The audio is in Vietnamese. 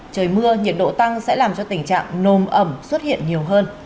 trời mưa nhiệt độ tăng sẽ làm cho tình trạng nồm ẩm xuất hiện nhiều hơn